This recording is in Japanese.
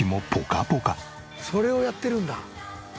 それをやってるんだ。